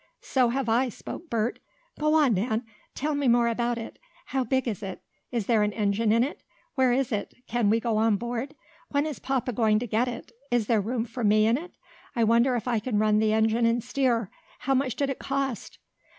"So have I," spoke Bert. "Go on, Nan! Tell me more about it. How big is it? Is there an engine in it? Where is it? Can we go on board? When is papa going to get it? Is there a room for me in it? I wonder if I can run the engine and steer? How much did it cost?"